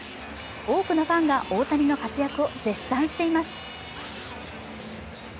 多くのファンが大谷の活躍を絶賛しています。